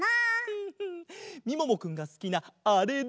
フフみももくんがすきなあれだよ。